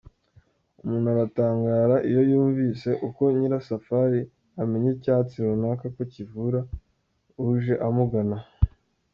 Umuntu aratangara iyo yunvise uko Nyirasafari amenya icyatsi runaka ko kivura uje amugana.